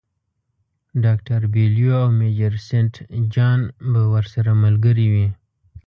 ډاکټر بیلیو او میجر سینټ جان به ورسره ملګري وي.